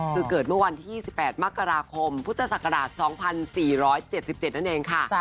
คือเกิดเมื่อวันที่๒๘มกราคมพุทธศักราช๒๔๗๗นั่นเองค่ะ